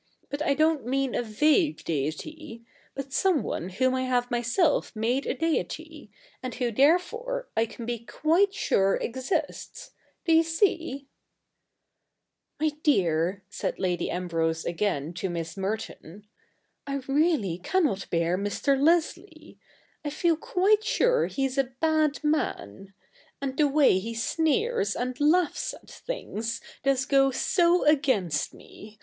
But I don't mean a vague deity ; but some one whom I have myself made a deity, and who, therefore, I can be quite sure exists — do you see ?'* My dear,' said Lady Ambrose again to Miss Merton, ' I really cannot bear Mr. Leslie. I feel quite sure he's a bad man. And the way he sneers and laughs at things does go so against me.